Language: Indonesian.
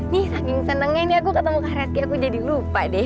nih saking senengnya ini aku ketemu kak reski aku jadi lupa deh